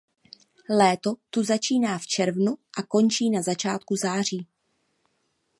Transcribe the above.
Léto tu začíná v červnu a končí na začátku září.